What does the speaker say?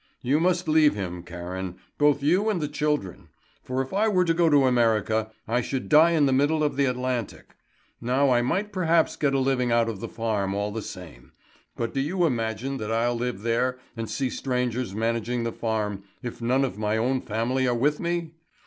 You must leave him, Karen, both you and the children; for if I were to go to America, I should die in the middle of the Atlantic. Now I might perhaps get a living out of the farm all the same. But do you imagine that I'll live there and see strangers managing the farm, if none of my own family are with me?